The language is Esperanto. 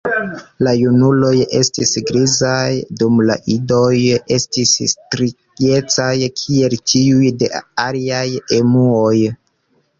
La junuloj estis grizaj, dum la idoj estis striecaj kiel tiuj de aliaj emuoj.